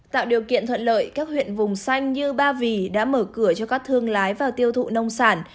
tạo điều kiện thuận lợi các huyện vùng xanh như ba vì đã mở cửa cho các thương lái vào tiêu thụ nông sản